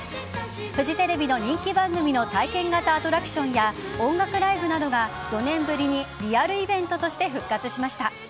フジテレビの人気番組の体験型アトラクションや音楽ライブなどが４年ぶりにリアルイベントとして復活しました。